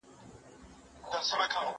زه له سهاره د ښوونځی لپاره امادګي نيسم؟